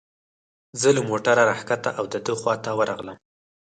زه له موټره را کښته او د ده خواته ورغلم.